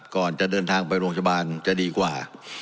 ก่อนจะเดินทางไปโรงพยาบาลจะดีกว่า